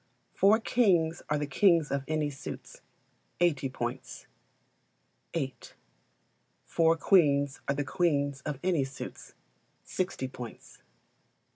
Four kings are the kings of any suits 80 points. viii. Four Queens are the queens of any suits 60 points.